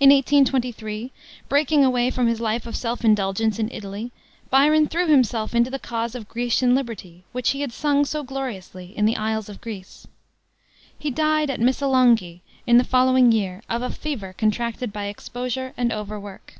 In 1823, breaking away from his life of selfish indulgence in Italy, Byron threw himself into the cause of Grecian liberty, which he had sung so gloriously in the Isles of Greece. He died at Missolonghi, in the following year, of a fever contracted by exposure and overwork.